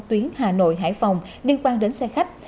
tuyến hà nội hải phòng liên quan đến xe khách